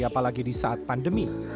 apalagi di saat pandemi